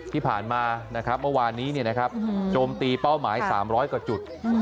ที่ผ่านมานะครับเมื่อวานนี้โจมตีเป้าหมาย๓๐๐กว่าจุด